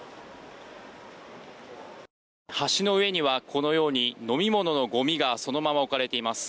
橋の上には、このように飲み物のごみがそのまま置かれています。